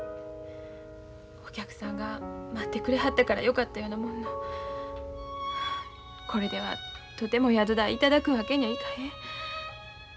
お客さんが待ってくれはったからよかったようなもののこれではとても宿代いただくわけにはいかへん。